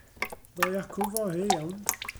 Ddo i acw fory, iawn.